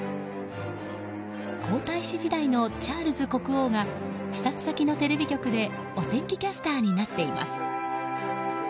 皇太子時代のチャールズ国王が視察先のテレビ局でお天気キャスターになっています。